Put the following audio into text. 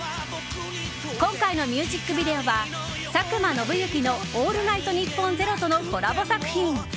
今回のミュージックビデオは「佐久間宣行のオールナイトニッポン０」とのコラボ作品。